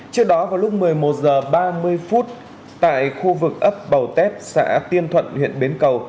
trước đó vào lúc một mươi một h ba mươi phút tại khu vực ấp bầu tét xã tiên thuận huyện bến cầu